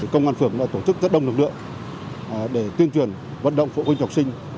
công an phường đã tổ chức rất đông lực lượng để tuyên truyền vận động phụ huynh học sinh